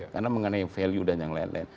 karena mengenai value dan yang lain lain